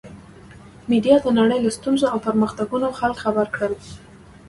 میډیا د نړۍ له ستونزو او پرمختګونو خلک خبر کړل.